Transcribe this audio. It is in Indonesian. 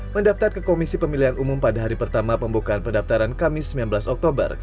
mendaftar ke komisi pemilihan umum pada hari pertama pembukaan pendaftaran kamis sembilan belas oktober